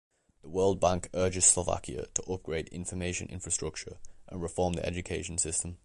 The World Bank urges Slovakia to upgrade information infrastructure and reform the education system.